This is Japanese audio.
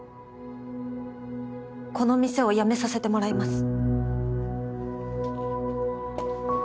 この店を辞めさせてもらいます。